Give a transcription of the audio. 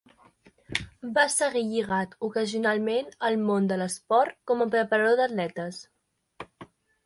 Va seguir lligat ocasionalment al món de l'esport com a preparador d'atletes.